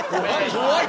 怖い！